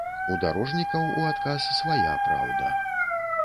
У дарожнікаў у адказ свая праўда.